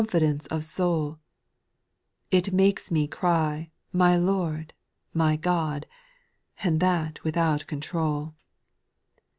dence of soul ; It makes me cry, my Lord, my God, And that without control.